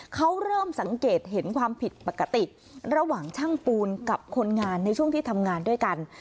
เขาเริ่มสังเกตเห็นความผิดปกติระหว่างช่างปูนกับคนงานในช่วงที่ทำงานด้วยกัน